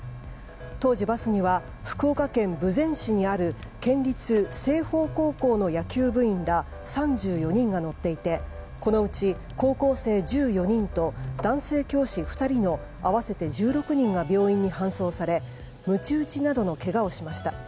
当時、バスには福岡県豊前市にある県立青豊高校の野球部員ら３４人が乗っていてこのうち高校生１４人と男性教師２人の合わせて１６人が病院に搬送されむち打ちなどのけがをしました。